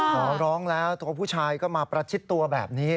ขอร้องแล้วตัวผู้ชายก็มาประชิดตัวแบบนี้